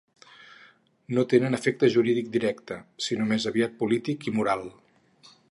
No tenen efecte jurídic directe, sinó més aviat polític i moral.